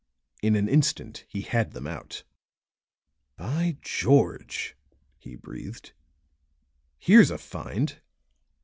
In an instant he had them out. "By George," he breathed, "here's a find."